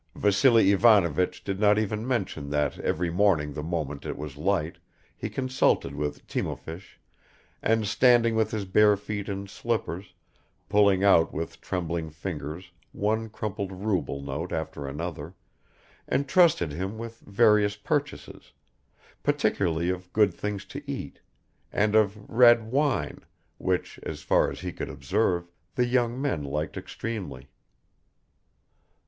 (Vassily Ivanovich did not even mention that every morning the moment it was light he consulted with Timofeich, and standing with his bare feet in slippers, pulling out with trembling fingers one crumpled ruble note after another, entrusted him with various purchases, particularly of good things to eat, and of red wine, which, as far as he could observe, the young men liked extremely.)